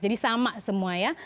jadi sama semua ya